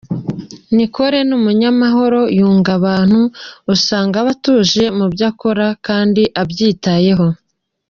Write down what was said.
Nicole ni umunyamahoro yunga abantu, usanga aba atuje mu byo akora kandi abyitayeho.